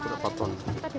tadi malam dapat sebelas ton